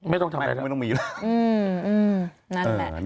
ไม่ต้องมีแล้ว